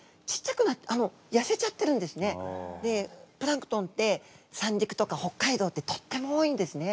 でプランクトンって三陸とか北海道ってとっても多いんですね。